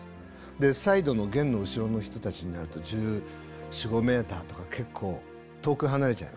でサイドの弦の後ろの人たちになると１４１５メーターとか結構遠く離れちゃいます。